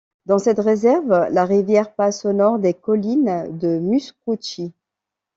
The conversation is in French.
Dans cette réserve, la rivière passe au nord des collines de Muskuchii.